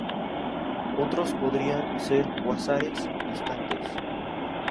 Otros podrían ser cuásares distantes.